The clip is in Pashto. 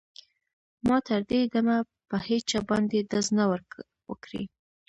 ما تر دې دمه په هېچا باندې ډز نه و کړی